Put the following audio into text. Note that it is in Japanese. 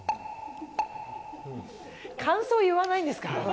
感想言わないんですか？